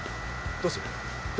どうする？